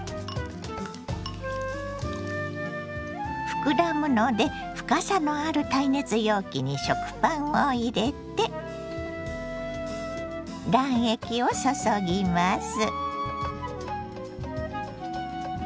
膨らむので深さのある耐熱容器に食パンを入れて卵液を注ぎます。